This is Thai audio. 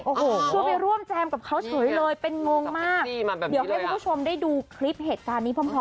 โอ้โหช่วยไปร่วมแจมกับเขาเฉยเลยเป็นงงมากมาแบบนี้เลยค่ะเดี๋ยวให้คุณผู้ชมได้ดูคลิปเหตุการณ์นี้พร้อมกันหน่อยค่ะ